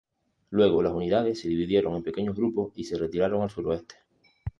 Luego, las unidades se dividieron en pequeños grupos y se retiraron al suroeste.